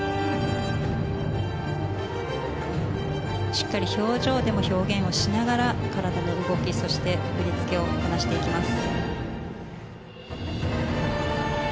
しっかり表情でも表現をしながら体の動きそして振り付けをこなしていきます。